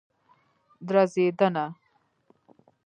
دراځینده